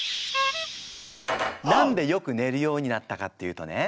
何でよく寝るようになったかっていうとね